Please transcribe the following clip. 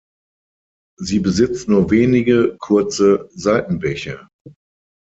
Sie besitzt nur wenige kurze Seitenbäche.